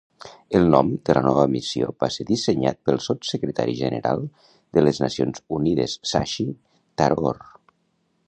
El nom de la nova missió va ser dissenyat pel Sotssecretari General de les Nacions Unides Shashi Tharoor.